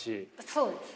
そうですね。